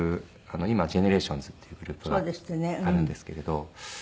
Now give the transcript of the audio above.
今ＧＥＮＥＲＡＴＩＯＮＳっていうグループがあるんですけれど。